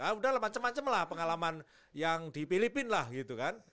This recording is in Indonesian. udah lah macam macam lah pengalaman yang di filipina lah gitu kan